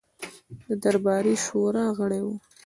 د درباري شورا غړی وو.